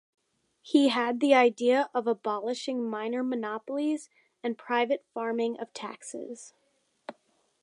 He had the idea of abolishing minor monopolies and private farming of taxes.